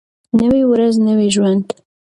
نوی ورځ نوی ژوند.